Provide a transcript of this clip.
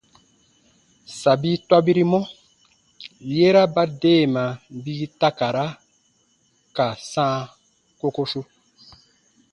Sabi tɔbirimɔ, yera ba deema bii takara ka sãa kokosu.